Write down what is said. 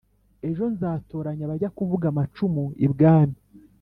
ejo nzatoranya abajya kuvuga amacumu ibwami